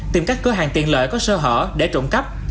tìm các cửa hàng tiện lợi có sơ hở để trộm cắp